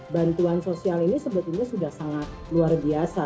bantuan sosial ini sebetulnya sudah sangat luar biasa